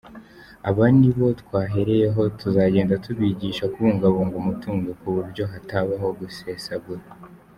Aba nibo twahereyeho, tuzagenda tubigisha kubungabunga umutungo ku buryo hatabaho gusesagura.